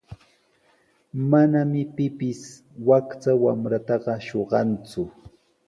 Manami pipis wakcha wamrataqa shuqanku.